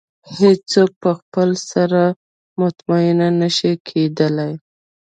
هېڅ څوک په خپل سر مطمئنه نه شي کېدلی.